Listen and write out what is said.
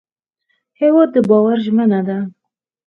هېواد د باور ژمنه ده.